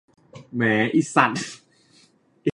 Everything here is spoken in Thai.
แหมอิสัส